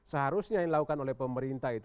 seharusnya yang dilakukan oleh pemerintah itu